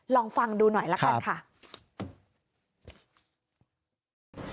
ลองฟังดูหน่อยแล้วกันค่ะครับ